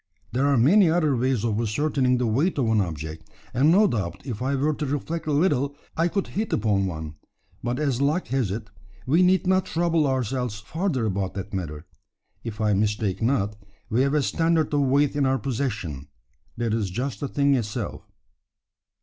There are many other ways of ascertaining the weight of an object; and no doubt if I were to reflect a little I could hit upon one; but as luck has it, we need not trouble ourselves further about that matter. If I mistake not, we have a standard of weight in our possession, that is just the thing itself."